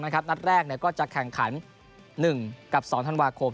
นัดแรกก็จะแข่งขัน๑กับ๒ธันวาคม